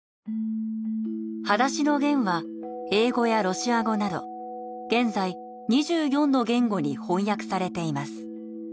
『はだしのゲン』は英語やロシア語など現在２４の言語に翻訳されています。